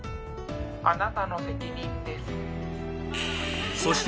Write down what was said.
あなたの責任です